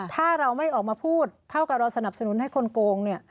ถ้าเราไม่ออกมาพูดเท่ากับเราสนับสนุนให้คนโกงเนี่ย